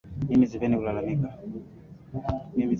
Mimi sipendi kulalamika